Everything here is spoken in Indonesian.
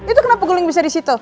itu kenapa guling bisa disitu